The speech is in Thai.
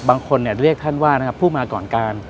บางคนเรียกท่านว่านะครับผู้มาก่อนการ